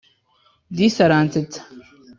Disi aransetsa